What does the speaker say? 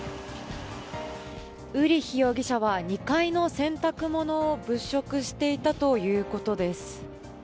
ウーリッヒ容疑者は２階の洗濯物を物色していたということです。